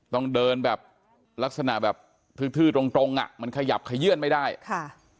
ต้องเดินแบบลักษณะแบบทื้อทื้อตรงตรงอ่ะมันขยับขยื่นไม่ได้ค่ะ